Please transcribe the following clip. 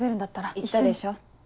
言ったでしょ